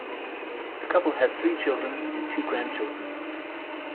The couple had three children and two grandchildren.